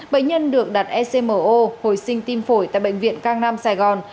bệnh nhân được đặt ecmo hồi sinh tim phổi tại bệnh viện cang nam sài gòn